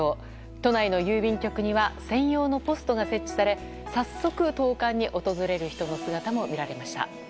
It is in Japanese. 都内の郵便局には専用のポストが設置され早速、投函に訪れる人の姿も見られました。